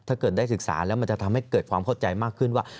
ถ้าเกิดได้ศึกษาแล้วมันจะทำให้เกิดความเข้าใจมากขึ้นว่า